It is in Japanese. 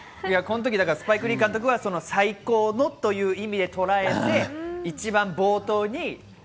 スパイク・リー監督は「最高の」という意味でとらえて、一番冒頭に。